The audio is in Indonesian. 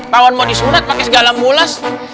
kawan mau disunat pakai segala mulas